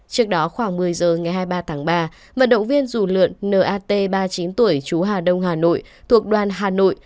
trước đó khoảng một mươi giờ ngày hai mươi ba tháng ba vận động viên dù lượn nat ba mươi chín tuổi chú hà đông hà nội thuộc đoàn hà nội